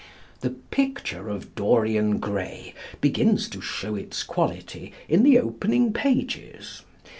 "The Picture of Dorian Gray," begins to show its quality in the opening pages.